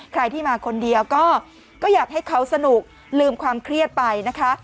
ใครที่มาคนเดียวก็อยากให้เขาสนุกลืมความเครียดไปนะคะ